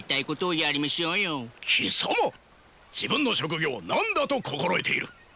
貴様自分の職業を何だと心得ている！